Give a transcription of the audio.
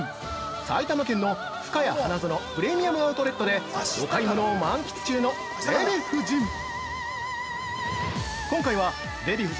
埼玉県の「ふかや花園プレミアム・アウトレット」でお買い物を満喫中のデヴィ夫人！